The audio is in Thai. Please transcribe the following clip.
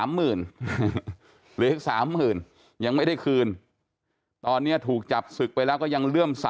หมื่นเหลืออีก๓๐๐๐ยังไม่ได้คืนตอนนี้ถูกจับศึกไปแล้วก็ยังเลื่อม๓